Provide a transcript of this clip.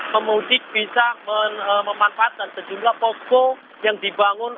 pemutik bisa memanfaatkan sejumlah toko yang dibangun